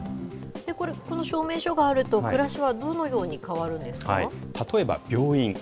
これ、この証明書があると、暮らしはどのように変わるんです例えば病院。